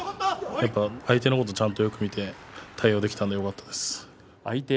相手のことをちゃんとよく見て対応できたのはよかったです。